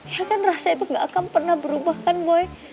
ya kan rasa itu gak akan pernah berubah kan boy